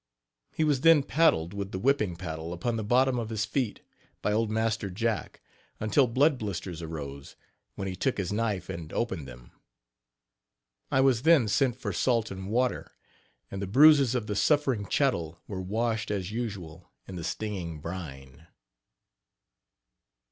He was then paddled with the whipping paddle upon the bottom of his feet, by old Master Jack, until blood blisters arose, when he took his knife and opened them. I was then sent for salt and water, and the bruises of the suffering chattel were washed as usual in the stinging brine.